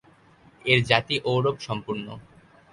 এর জাতি ঔড়ব-সম্পূর্ণ।